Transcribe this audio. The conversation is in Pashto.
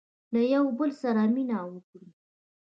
• له یوه بل سره مینه وکړئ.